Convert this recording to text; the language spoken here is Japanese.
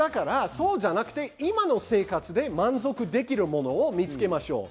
そうじゃなくて、今の生活で満足できるものを見つけましょう。